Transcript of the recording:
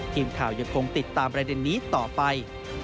ทีมข่าวยังคงติดตามประเด็นนี้ต่อไป